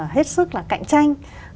hết sức là cạnh tranh